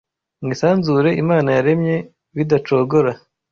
mu isanzure Imana yaremye bidacogora